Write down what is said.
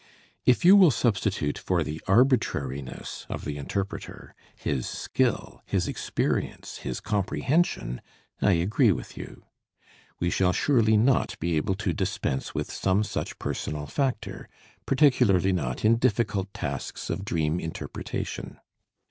If you will substitute for the arbitrariness of the interpreter, his skill, his experience, his comprehension, I agree with you. We shall surely not be able to dispense with some such personal factor, particularly not in difficult tasks of dream interpretation.